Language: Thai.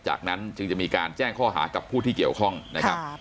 จากนั้นจึงจะมีการแจ้งข้อหากับผู้ที่เกี่ยวข้องนะครับ